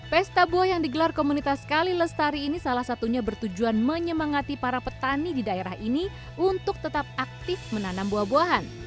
pesta buah yang digelar komunitas kali lestari ini salah satunya bertujuan menyemangati para petani di daerah ini untuk tetap aktif menanam buah buahan